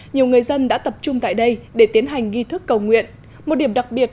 nhiều người dân đã tập trung tại đây để tiến hành nghi thức cầu nguyện một điểm đặc biệt